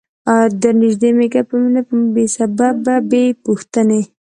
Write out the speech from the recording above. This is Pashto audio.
در نیژدې می که په مینه بې سببه بې پوښتنی